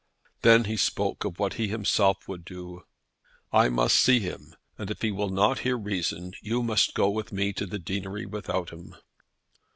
Then he spoke of what he himself would do. "I must see him, and if he will not hear reason you must go with me to the Deanery without him."